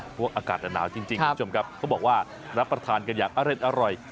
เพราะว่าอากาศหนาวจริงคุณผู้ชมครับเขาบอกว่ารับประทานกันอย่างอร่อย